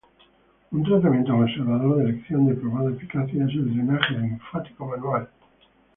Un tratamiento conservador de elección de probada eficacia es el drenaje linfático manual.